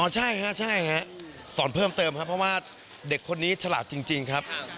ใช่ฮะใช่ฮะสอนเพิ่มเติมครับเพราะว่าเด็กคนนี้ฉลาดจริงครับ